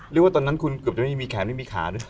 ตอนนั้นคุณเกือบจะไม่มีแขนไม่มีขาด้วย